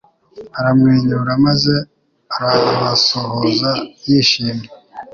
Aramwenyura maze arabasuhuza yishimye